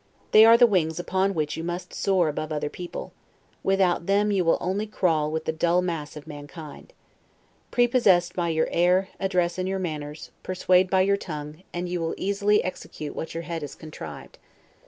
They are the wings upon which you must soar above other people; without them you will only crawl with the dull mass of mankind. Prepossess by your air, address, and manners; persuade by your tongue; and you will easily execute what your head has contrived.